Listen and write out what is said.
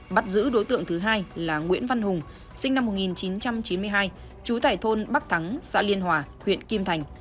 bắt giữ đối tượng thứ hai là nguyễn văn hùng sinh năm một nghìn chín trăm chín mươi hai trú tại thôn bắc thắng xã liên hòa huyện kim thành